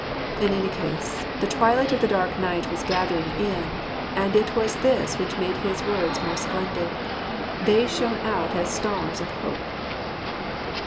In any case, the twilight of the dark night was gathering in ; and it was this which made his words more splendid : they shone out as stars of hope.